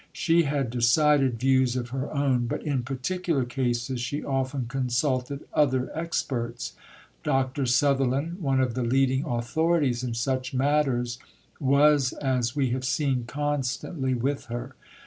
She had decided views of her own, but in particular cases she often consulted other experts. Dr. Sutherland, one of the leading authorities in such matters, was, as we have seen, constantly with her.